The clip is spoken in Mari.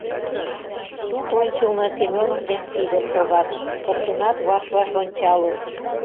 Суд ончылно Семёнов ден Сидыр шогат, коктынат ваш-ваш ончалыт.